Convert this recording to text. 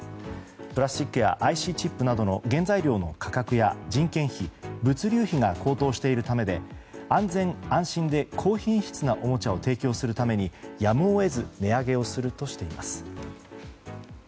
プラスチックやＩＣチップなどの原材料の価格や人件費、物流費が高騰しているためで安全・安心で高品質なおもちゃを提供するためにやむを得ず値上げをするとしています。